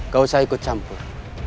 gak usah ikut campur